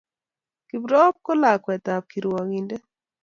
kiprop ko lakwet ab kirwakindet